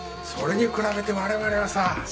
それに比べて我々はさあ。